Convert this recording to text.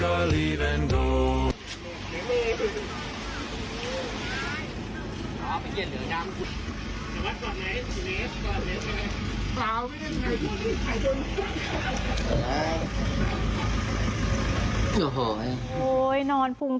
กลับด้านหลักหลักหลักหลักหลัก